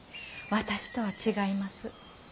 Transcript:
私とは違います。